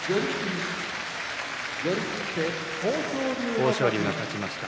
豊昇龍が勝ちました。